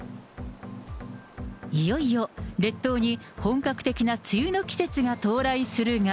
いよいよ、列島に本格的な梅雨の季節が到来するが。